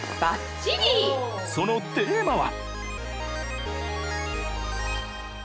そのテーマは。